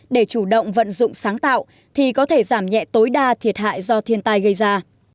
để chủ động vận dụng sáng tạo thì có thể giảm nhẹ tối đa thiệt hại do thiên tai gây ra